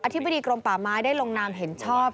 ธิบดีกรมป่าไม้ได้ลงนามเห็นชอบ